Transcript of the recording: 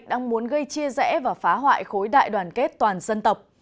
đang muốn gây chia rẽ và phá hoại khối đại đoàn kết toàn dân tộc